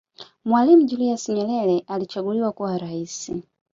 mwalimu julius yerere alichaguliwa kuwa raisi